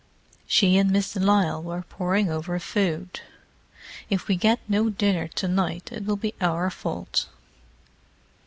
"She and Miss de Lisle were poring over food—if we get no dinner to night it will be our fault."